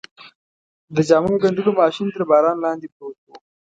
د جامو ګنډلو ماشین تر باران لاندې پروت و.